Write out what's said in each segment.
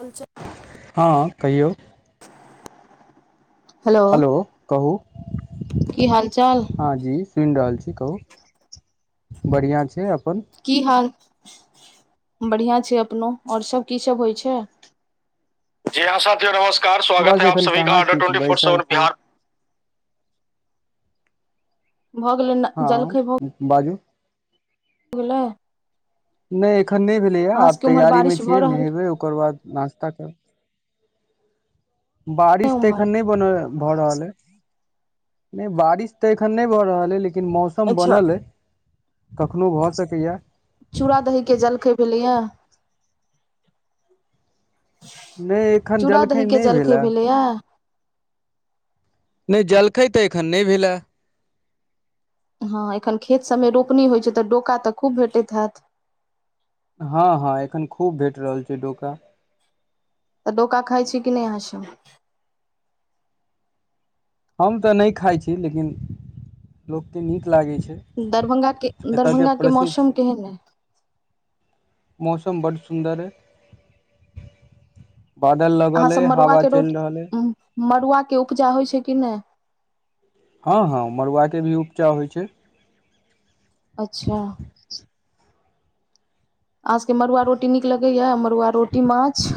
अच्छा हँ कहियौ हेलो कहू की हाल चाल हँ जी सुनि रहल छी कहू बढ़िआँ छै अपन की हाल बढ़िआँ छै अपनो और सभ कीसभ होइ छै जी हँ साथो नमस्कार स्वागत बस है एखन सभी को कहाँ आर्डर किछु ट्वेटी फोर बैसल सेवन छी बिहार भऽ गेलै ने हँ बाजू अगला [inaudible] नैय एखन नहि भेलैए आब सबके उम्हर तैयारीमे बारिश भऽ छियै रहल नहेबै ओकर बाद नास्ता करब नहि बारिश तऽ उम्हर एखन नैय बन भऽ रहल ह नहि बारिश तऽ एखन नहि भऽ रहल ह लेकिन मौस सम बनल अइ कखनो भऽ सकैया चूड़ा दही के जलखै भेलै या नैय एखन चूड़ा जलखै दही के नैय जलखै भेलए भेलैया नैय जलखै त एखन नैय भेलै हँ एखन खेत सभमे रोपनी होइ छैय तऽ डोका तऽ खूब भेटैत हैयत हँ हँ एखन खूब भेट रहल छैय डोका तऽ डोका खाय छी कि नहि आहा छै हम तऽ नहि खाइ छी लेकिन लोकके नीक लागैत छैय दरभंगा के दरभंगाके मौसम छै केहन एय मौसम बड सुन्दर यै बादल अहाँ लगल सब यै मड़ुआ हावा के चलि रहल यै रोटी मड़ुआ के उपजा होइ छैय कि नैय हँ हँ मड़ुआके भी उपचा होइ छैय अच्छा [inaudible] अहाँसभके मड़ुआ रोटी नीक लगैए मड़ुआ रोटी माछ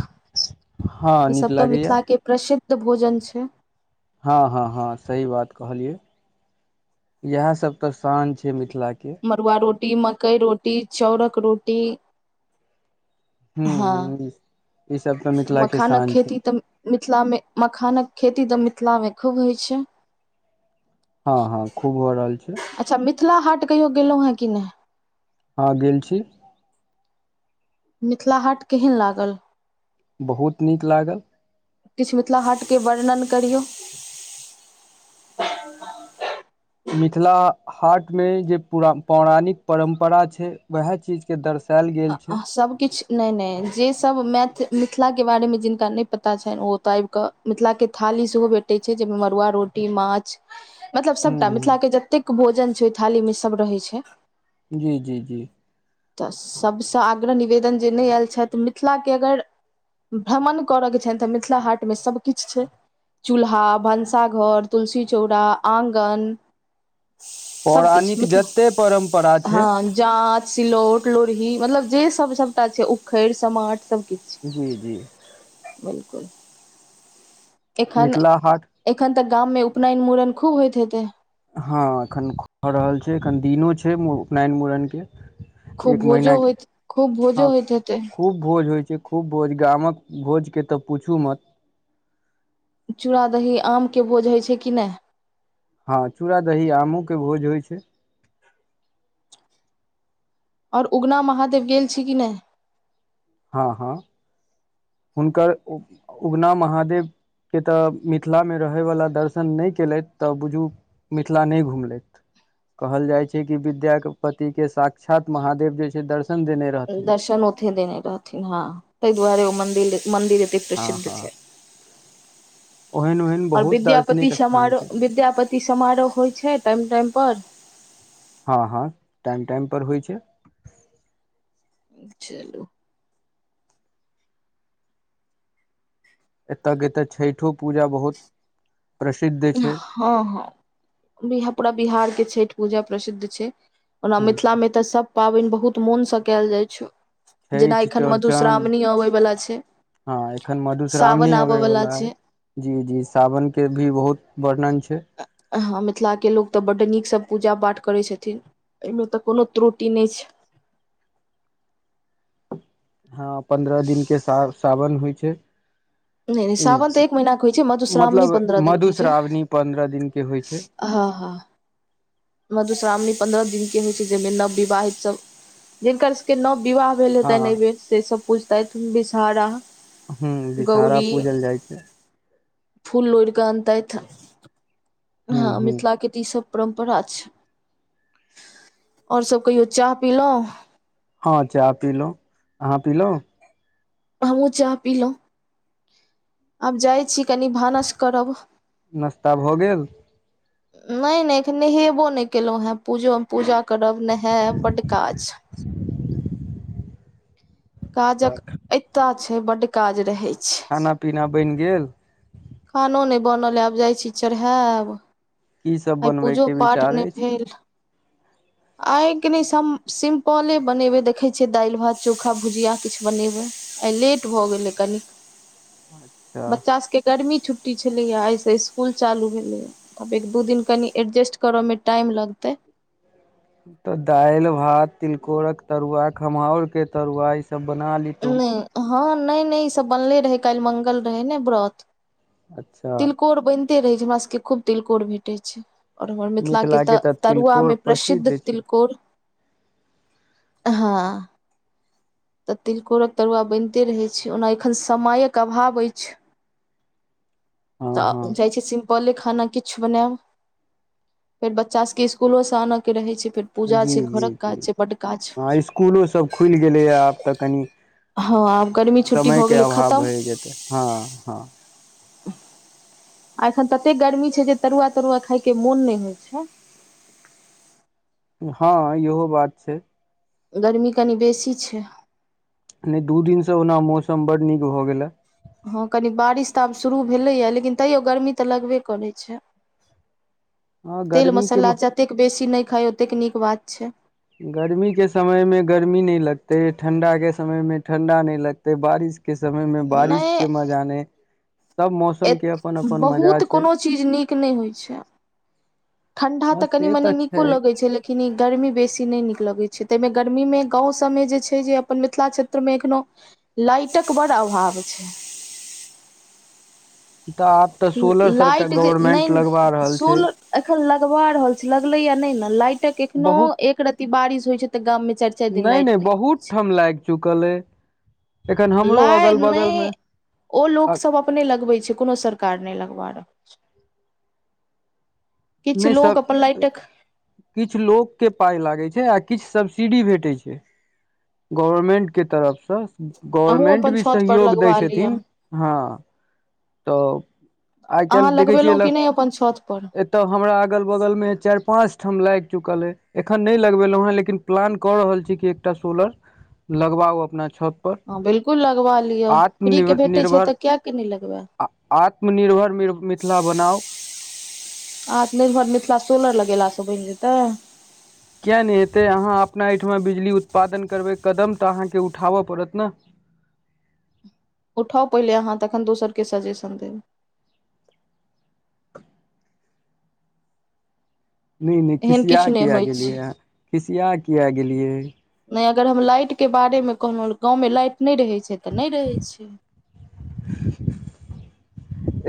हँ ई नीक सब तऽ लागैया मिथिला के प्रसिद्ध भोजन छैय हँ हँ हँ सही बात कहलियै इएह सब त शान छैय मिथिला के मरुआ रोटी मकई रोटी चौरक रोटी हूँ हँ ई सब तऽ मिथिला के मखानक शान छै खेती तऽ मिथिलामे मखानक खेती तऽ मिथिलामे खूब होइत छैय हँ हँ खूब भ रहल छैय अच्छा मिथिला हाट कहियो गेलैह है की नहि हँ गेल छी मिथिला हाट केहन लागल बहुत नीक लागल किछ मिथिला हाटके वर्णन करियौ [inaudible] मिथिला हाट मे जे पुरा पौराणिक परम्परा छैय वएह चीज के दर्शायएल गेल छैय सब किछ नैय नैय जे सब मैथ मिथिलाके बारेमे जिनका नहि पता छनि ओ इए आबि क मिथिला के थाली सेहो भेटे छै जाहिमे मरुआ रोटी माछ मतलब हूँ सबटा मिथिला के हूँ जतेक भोजन छैर ओहि थाली मे सब रहै छैय जी जी जी त सभसँ आग्रह निवेदन जे नैय आयल छथि मिथिलाके अगर भ्रमण करयके छैय तऽ मिथिला हाटमे सभकिछ छैय चूल्हा भनसाघर तुलसी चौड़ा आङगन सब पौराणिक किछु जते परम्परा छै हँ जाँच सिलौट लोढ़ही मतलब जे सब सबटा छैय उखड़ समाट सब किछ जी जी बिलकुल एखन मिथिला हाट एखन तऽ गाममे उपनयन मूड़न खूब होइत हेतै हँ एखन खूब भ रहल छै एखन दिनो छै उपनयन मूड़नके खूब भोजो होइत खूब भोजो होइत हेतै खूब भोज होइ छै खूब भोज गामक भोज के त पूछू मत चूड़ा दही आमके भोज होइ छै कि नहि हँ चूड़ा दही आमोके भोज होइ छै आओर उगना महादेव गेल छी कि नहि हँ हँ हुनकर उगना महादेव के ऽ मिथिलामे रहयवला दर्शन नहि केलथि त बुझू मिथिला नहि घुमलथि कहल जाय छैय कि विद्या के विद्यापति के साक्षात महादेव जे छैय दर्शन देन दर्शन ओथे देने रहथिन हँ ताहि दुआरे ओ मन्दिल मन्दिर एत हँ प्रसिद्ध हँ छै ओहन ओहन आओर बहुत विद्यापति दार्शनिक स्थान छै समारोह विद्यापति समारोह होइ छैय टाइम टाइम प हँ हँ टाइम टाइम पर होय छै चल एतय के एतऽ छठो पूजा बहुत प्रसिद्ध छ हँ हँ बि पूरा बिहार के छठ पूजा प्रसिद्ध छ ओना ह मिथिला मे तऽ सभ पाबनि बहुत मोनसँ कयल जाइ छ जेना छठि एखन चौड़चन मधुश्रावणी अबै वालला छ हँ एखन मधुश्रावणी अबे वला है छै जी जी सावनके भी बहुत वर्णन छ हँ मिथिलाके लोक तऽ बड्ड नीकसँ पूजा पाठ करैत छथि एहिमे तऽ कोनो त्रुटि नहि छ हँ पन्द्रह दिनके सा सावन होइ छ नहि नहि ई सावन तऽ एक महीनाके होइ छै मधुश्रावणी मतलब पन्द्रह दिनके छै मधुश्रावणी पन्द्रह दिनके होइत छ हँ ह मधुश्रावणी पन्द्रह दिन के होइ छै जहिमे नव विवाहित सब जिनकरसके नव विवा हँ भेलताै नहि भेल से सब पूछता है तु बिसार ह विषहारा पूजल जाइ छ फूल लोड़ कऽ अनत ह मिथिला क ई सब परम्परा छै ओर सब कहियो चाह पीलहुं हँ चाह पी लो अहाँ पी ल हमूँ चाह पीिलहुँ आब जाइ छी कनि भानस कब नास्ता भऽ गे नहि नहि एख नहेबो नहि केलहु हेँ पूजो पूजा करब नहायब बड का काजक एता छै बडड काज रहे छ खाना पीना बनि गे खानो नहि बनल आब जाइत छी चढ़ाब की सब आइ बनबै पूजो के पाठ विचार नहि अछि भे आइ क नहि सिम्पले बनेबै देखै छियै दालि भात चोखा भुजिया किछु बनेब आ लेट भऽ गेलै कनिक अच्छा बच्चा सबक गर्मी छुट्टी छलैया एहिसँ स्कुल चालू भेलै आब एक दू दि कनि एडजस्ट करऽ मे टाइम लगत तऽ दालि भात तिलकोर के तरुआ खमहाउर के तरुआ ई सब बना ल नहि हँ नहि नहि ई सब बनले रहै काल्हि मंगल रहै ने व्र अच्छा तिलकोर बनिते रहैत छै हमरा सभके खूब तिलकोर भेटैत छ ओर हमर मिथिलाके मिथिला तऽ के तिलकोर तरुआमे प्रसिद्ध छै तिलको ह तऽ तिलकोरक तरुआ बनते रहैत छै ओना एखन समयक अभाव अछ हँ हँ तऽ जाइ छै सि पहिले खाना किछु बनायब फेर बच्चा सबके इसकुलोसँ आनऽके रहै छै फे पूजा छै घरक काज छै बड का इसकुलो सब खुल गेलैए आब तऽ कन हँ आब गर्मी छुट्टी समय भऽ के गेलै अभाव खतम भए जेतै हँ ह आ एखन तते गर्मी छै जे तरुआ तरुआ खायके मोन नहि होइ छ हँ इहो बात छ गरमी कनि बेसी छ ने दू दिन से ओना मौसम बड नीक भऽ गेले हँ कनी बारिश तऽ आब शुरू भेलैए लेकिन तैयो गर्मी तऽ लगबे करै छै ह तेल गर्मी मसाला के जतेक बेसी नहि खााय ओतेक नीक बात छै गर्मी के समय मे गर्मी नहि लगते ठणडा के समय में ठं्डा नहि लगते बारिश के समयमे बारिश नहि के मजाने सब मौसम के अपन अपन मजा बहुत छै कोनो चीज नीक नहि होइ छै ठंडा तऽ बस कनी से मनी छै नीको लगै छैेलई कनी गर्मी बेसी नहि नीक लगैत छै तहिमे गर्मीमे गामव सभमे जे छै जे अपन मिथिला क्षेत्रमे एखनोहु लाइटक बड़ अभाव छै तऽ आब तऽ सोलर लाइट सरकार जे गवर्मेंट लगवा नहि रहल छै सोल एखन लगवा रहल छी लगलेया नहि ने लाइटक एखनो बहुत एक राति बारिश होइ छै तऽ गाम मे चार नहि नहि बहुत ठाम लाग चुकल अ एखन छै हमरो लाइ अगल नहि बगल मे ओ लोक सब अपने लगबै छै कोनो सरकार नहि लगबा रह किछु लोग अपन लाइटक किछ लोक के पाय लागे छै आ किछ सब्सिडी भेटे छै गवर्मेंट के तरफसँ अहूँ गवर्मेंट अपन भी छत पर सहयोग दै लगबा लिअ छथिन हँ तऽ आइ अहाँ काल्ह देखै छियै लगबेलहुँ कि लग नहि अपन छत पर तब हमरा अगल बगल में चार पांच ठाम लाग चुकल हे एखन न नहि लगबेलों हें लेकिन प्लान कऽ रहल छी कि एकटा सोलर लगवाउ अपना छत हँ बिलकुल लगवा लिअ फ्रीके भेटै छै निर्भर तऽ किए कि नहि लगबाय आत्मनिर्भर मिथिला बनाउ आत्मनिर्भर मिथिला सोलर लगेल से बन जेतै किया नहि एेतै अहाँ अपना एहिठमा बिजली उत्पादन करबै कदम तऽ अहाँके उठाबऽ पड़त ने उठाउ पहिले अहाँ तखन दोसरके सजेशन देबै नहि नहि एहन खिसिआ किछु नहि कियाक होइ छै गेलियै खिसिआ किया गेलियै नहि अगर हम लाइटके बारेमे कहलहुँ गाँवमे लाइट नहि रहैत छै तऽ नहि रहैत छै [unintelligible]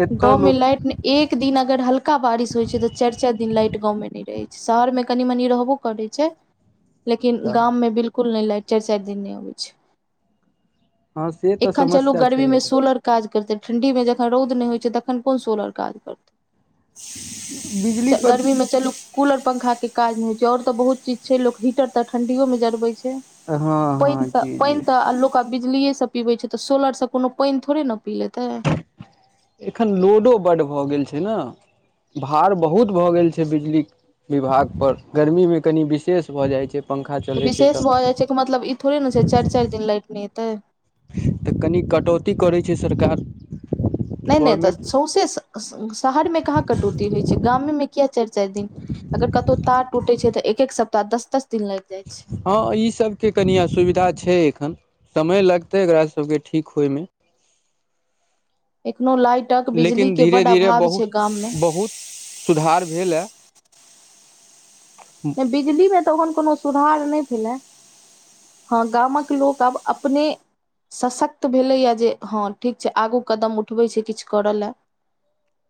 एतय गाँव मे लोक लाइट एक दिन अगर हल्का बारिश होइ छै तऽ चार चार दिन लाइट गाँवमे नहि रहै छै शहर मे कनि मनी रहबो करै छै लेकिन गाम मे बिल्कुल नहि लाइट चार चार दिन नहि आबै छै हँ से तऽ एखन चलू समस्या छै गर्मी मे सोलर काज करतै ठण्ढीमे जखन रौद नहि होइ छै तखन कोन सोलर काज बिजली करतै पर गर्मी मे चलू कूलर पंखा के काज नहि होइ छै ओर तऽ बहुत चीज छै लोक हीटर तऽ ठं्डियो मे जरबै छै हँ पैन हँ त जी पैन जी त लोक त बिजलीए से पीबै छै तऽ सोलर से कोनो पैन थोड़े न पी लेतै एखन लोडो बड्ड भऽ गेल छै ने भार बहुत भऽ गेल छै बिजली विभाग पर गर्मी मे कनि विशेष भऽ जाइ छै पंखा तऽ चलै छै विशेष भऽ जाइ छै कि मतलब ई थोड़े ने छै चार चार दिन लाइट नहि एतै तऽ कनि कटौती करै छै सरकार नै न एते गवर्मेंट सौंसे शहरमे कहाँ कटौती होइ छै गामे किया चार चार दिन अगर कतौ तार टूटे छै तऽ एक एक सप्ताह दस दस दिन लाग जाय छै हँ ई सब के कनि असुविधा छै एखन समय लगते एकरा सबके ठीक होय मे एखनो लाइटक लेकिन बिजलीके धीरे बड्ड धीरे अभाव छै बहुत गाममे बहुत सुधार भेल हए नहि बिजलीमे तऽ एखन कोनो सुधार नहि भेलै हँ गामक लोक आब अपने सशक्त भेलैए जे हँ ठीक छै आगू कदम उठबैत छै किछु करय लेल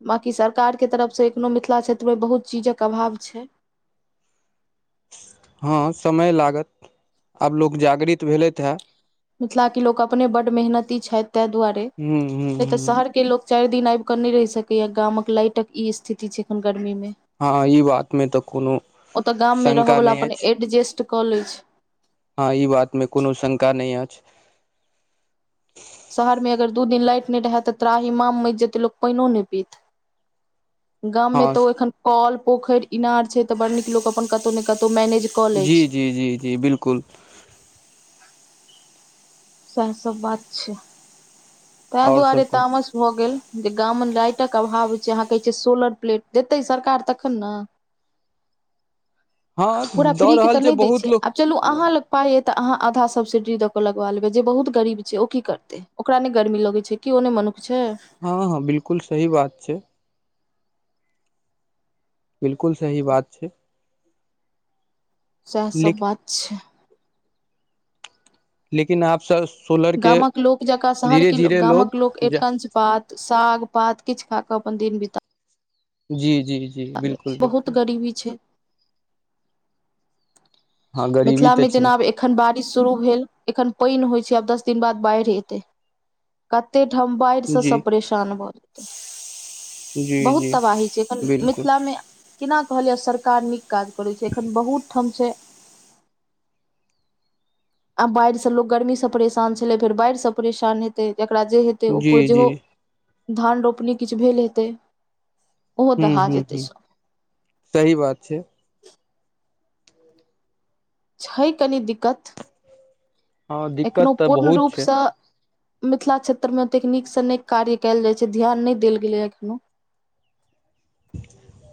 बाँकी सरकारके तरफसँ एखनो मिथिला क्षेत्रमे बहुत चीजक अभाव छै हँ समय लागत आब लोक जागृत भेलथि हँ मिथिला के लोक अपने बड मेहनती छथि तहि दुआरे हूँ हूँ नहि तऽ हूँ शहर के लो चार दिन आबि कऽ नहि रहि सकै या गामक लाइटक ई स्थिति छै एखन गर्मी म हँ ई बात मे तऽ कोनो ओतऽ गाम मे शंका रहय बला नहि अपन अछि एडजेस्ट क लै छ हँ ई बात मे कोनो शंका नहि अछ शहर मे अगर दू दिन लाइट नहि रहे तऽ त्राहि माम मच जेते लोग पानियो नहि पी गाममे हँ तऽ एखन कल पोखरि इनार छै तऽ बड़ नीक लोक अपन कतहु ने कतहु मैने जी जी जी जी बिलकु सएह सब बात छै ताहि आओर सब दुआरे कहु तामस भए गे जे गाम मे लाइटक अभाव छै अहाँ कहै छिय सोलर प्लेट देतै सरकार तखन न पूरा हँ दऽ फ्रीके रहल तऽ नहि दैत बहुत छै लोक आब चलू अहा ल पाइ य तऽ अहाँ आधा सब्सिडी दऽ केऽ लगबा लेबै जे बहुत गरीब छै ओ की करतै ओकरा नहि गर्मी लगैत छ केओ नहि मनुख छ हँ हँ बिलकुल सही बात छ बिलकुल सही बात छ सएहसब लेक बात छ लेकिन आप स सोलर के गामक लोक जकाँ शहर धीरे के धीरे गामक लोग लोक एकर जा कां पात साग पात किछु खा कऽ अपन दिन बत जी जी जी बिलकुल बिलकु टि भी छ हँ गरीबी मिथिला तऽ मे जेना छै आब एखन बारिश शुरू भेल एखन पानि होइत छै आब दस दिन बाद बाढ़ि एत कतेक ठाम बाढ़िसँ जी सभ परेशान भऽ जेत जी बहुत जी तबाही छै एखन बिल्कुल मिथिलाम केना कहलए सरकार नीक काज करै छै एखन बहुत ठाम छ आ बाढ़िसँ लोक गर्मीसँ परेशान छलै फेर बाढ़िसँ परेशान हेतै जकरा जे हेतै जी ओप जी जेह धान रोपनी किछु भेल हेत हू हू ह सही बात छ छै कनी दिक्क हँ एखनो दिक्कत तऽ पूर्ण बहुत छै रूपस मिथिला क्षेत्र मे ओतेक नीकसँ नीक कार्य कयल जाय छै ध्यान नहि देल गेलय एखन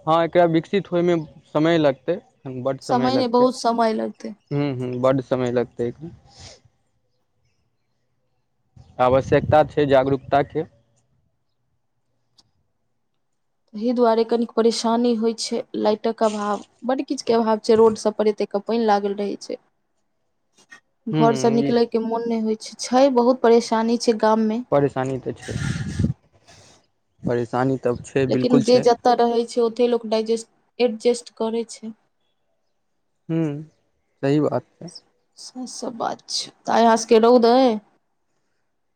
हँ एकरा विकसित होइमे समय लगत हू बड्ड समय नहि लगतै बहुत समय लगतै हू हू बड्ड समय लगत आवश्यकता छै जागरूकताक तहि दुआरे कनिक परेशानी होइ छै लाइटक अभा बड्ड किछके अभाव छै रोड सब पर एतेकके पानि लागल रहै छ हूँ घर से ई निकले के मोन नहि होइ छै छै बहुत परेशानी छै गाम म परेशानी तऽ छै परेशान लेकिन जे जतय रहै छै ओतहि लोक डाइजेस् एडजेस्ट करै छ हूँ सही बात छै स सब बात छै ता अहासभके रौद छ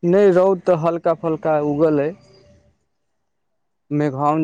न रौद तऽ हल्का फल्का उगल हे मेघा